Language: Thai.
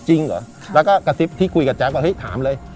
จริงเหรอแล้วก็กระซิบที่คุยกับแจ๊คว่าเฮ้ยถามเลย